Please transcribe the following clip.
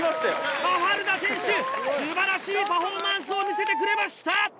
マファルダ選手素晴らしいパフォーマンスを見せてくれました